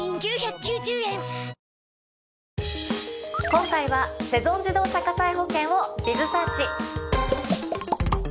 今回はセゾン自動車火災保険を。